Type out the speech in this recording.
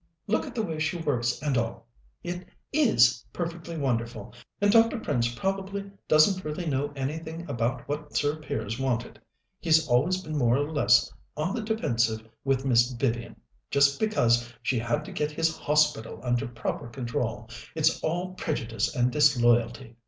"Look at the way she works and all it is perfectly wonderful; and Dr. Prince probably doesn't really know anything about what Sir Piers wanted. He's always been more or less on the defensive with Miss Vivian, just because she had to get his Hospital under proper control. It's all prejudice and disloyalty.